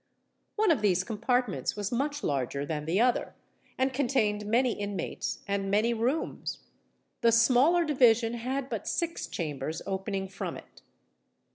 One of these compartments was much larger than the other, and contained many inmates and many rooms: the smaller division had but six chambers opening from it.